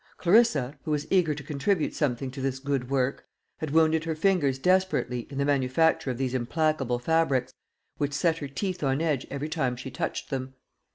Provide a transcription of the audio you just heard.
Clarissa, who was eager to contribute something to this good work, had wounded her fingers desperately in the manufacture of these implacable fabrics, which set her teeth on edge every time she touched them.